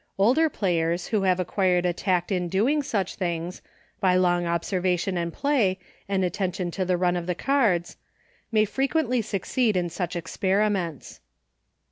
Older players, who have acquired a tact in doing such things — by long observation and play, and attention to the run of the cards — may frequently succeed in such experiments.